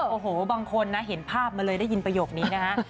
โอ้โหบางคนนะเห็นภาพมาเลยได้ยินประโยคนี้นะฮะ